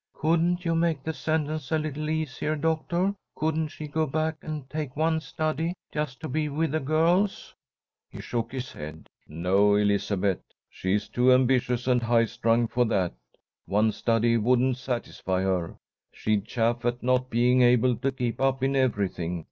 "Couldn't you make the sentence a little easier, doctor? Couldn't she go back and take one study, just to be with the girls?" He shook his head. "No, Elizabeth. She is too ambitious and high strung for that. One study wouldn't satisfy her. She'd chafe at not being able to keep up in everything.